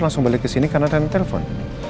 langsung balik kesini karena rena telepon